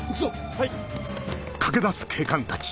はい。